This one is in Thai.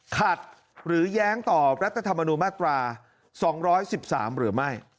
ขัดหรือแย้งต่อรัฐธรรมนูญมาตรา๒๑๓หรือไม่